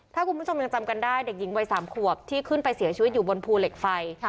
ถ้าคุณผู้ชมยังจำกันได้เด็กหญิงวัย๓ขวบที่ขึ้นไปเสียชีวิตอยู่บนภูเหล็กไฟ